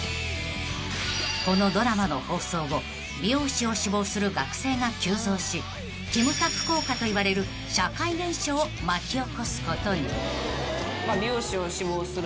［このドラマの放送後美容師を志望する学生が急増しキムタク効果といわれる社会現象を巻き起こすことに］